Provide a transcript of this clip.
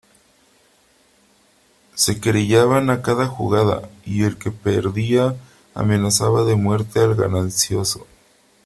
se querellaban a cada jugada , y el que perdía amenazaba de muerte al ganancioso .